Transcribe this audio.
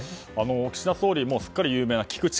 岸田総理、すっかり有名な聞く力。